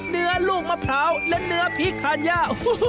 เนื้อลูกมะพร้าวและเนื้อพริกทัญญา